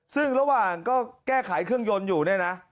ซึ่งระหว่างก็แก้ไขเครื่องยนต์อยู่เนี่ยนะ